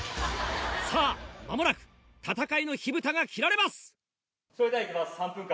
さぁ間もなく戦いの火ぶたが切られます！